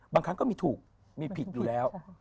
ครั้งก็มีถูกมีผิดอยู่แล้ว